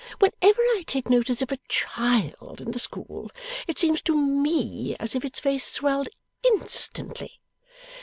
Whenever I take notice of a child in the school, it seems to me as if its face swelled INSTANTLY.